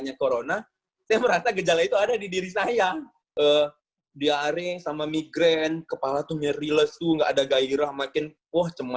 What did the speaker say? akhirnya saya berobat ke dokter umum dokter umumnya ngecek lah segala pengecekan